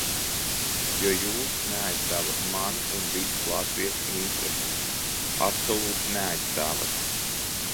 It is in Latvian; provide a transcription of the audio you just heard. Jo jūs neaizstāvat manu un visu latviešu intereses, absolūti neaizstāvat!